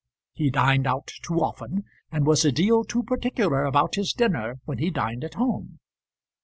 He dined out too often, and was a deal too particular about his dinner when he dined at home.